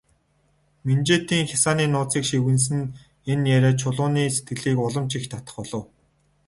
Минжээтийн хясааны нууцыг шивгэнэсэн энэ яриа Чулууны сэтгэлийг улам ч их татах болов.